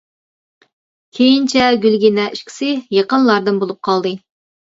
كېيىنچە گۈلگىنە ئىككىسى يېقىنلاردىن بولۇپ قالدى.